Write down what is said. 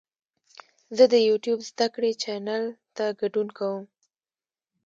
زه د یوټیوب زده کړې چینل ته ګډون کوم.